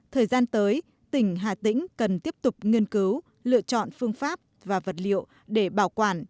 thời gian tới tỉnh hà tĩnh cần tiếp tục nghiên cứu lựa chọn phương pháp và vật liệu để bảo quản